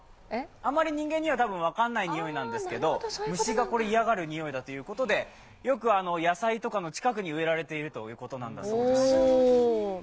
あまり人間には分からない匂いなんですけど、虫が嫌がるにおいだということでよく野菜とかの近くに植えられているということなんだそうです。